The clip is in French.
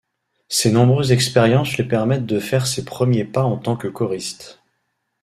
Ces nombreuses expériences lui permettent de faire ses premiers pas en tant que choriste.